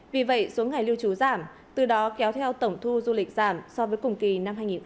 vì vậy xuống ngày lưu trú giảm từ đó kéo theo tổng thu du lịch giảm so với cùng kỳ năm hai nghìn hai mươi hai